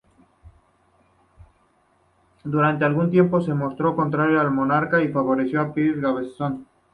Durante algún tiempo se mostró contrario al monarca y a su favorito Piers Gaveston.